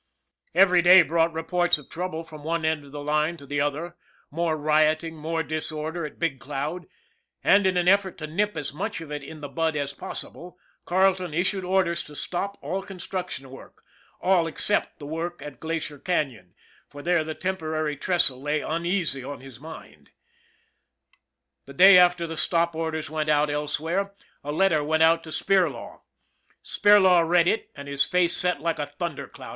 Every day brought reports of trouble from one end of the line to the other, more rioting, more disorder at Big Cloud; and, in an effort to nip as much of it in the bud as possible, Carleton issued orders to stop all construction work all except the work in Glacier Canon, for there the temporary trestle lay uneasy on his mind. The day the stop orders went out elsewhere a letter THE BUILDER 135 went out to Spirlaw. Spirlaw read it and his face set like a thunder cloud.